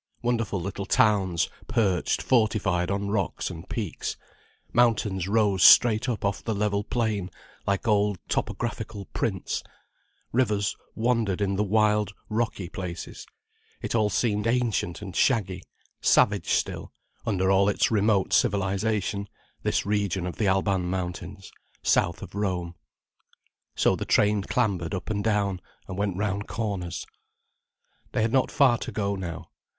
Wonderful little towns perched fortified on rocks and peaks, mountains rose straight up off the level plain, like old topographical prints, rivers wandered in the wild, rocky places, it all seemed ancient and shaggy, savage still, under all its remote civilization, this region of the Alban Mountains south of Rome. So the train clambered up and down, and went round corners. They had not far to go now.